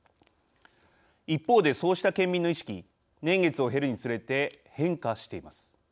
一方で、そうした県民の意識年月を経るにつれて変化しています。